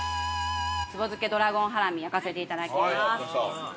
◆壺漬けドラゴンハラミ焼かせていただきます。